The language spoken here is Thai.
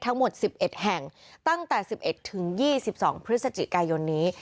ทั้งหมด๑๑แห่งตั้งแต่๑๑ถึง๒๒พฤศจิกายนนี้